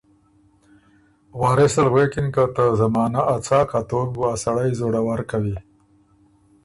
وارثه ال غوېکِن که ته زمانه ا څاک توک بُو ا سړئ زوړه ور کوی